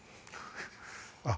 ・あっ